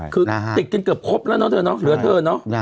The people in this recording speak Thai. คือติดกันเกือบครบแล้วเน่าเถอะน้อง